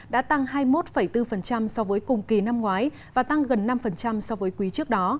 đã tăng hai mươi một bốn so với cùng kỳ năm ngoái và tăng gần năm so với quý trước đó